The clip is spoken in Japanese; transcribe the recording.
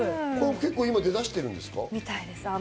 結構、出だしてるんですか？